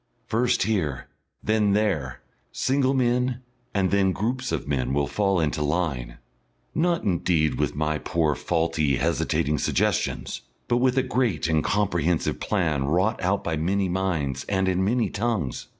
First here, then there, single men and then groups of men will fall into line not indeed with my poor faulty hesitating suggestions but with a great and comprehensive plan wrought out by many minds and in many tongues.